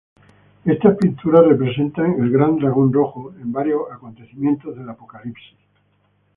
Estas pinturas representan 'El Gran Dragón Rojo' en varios acontecimientos del Apocalipsis.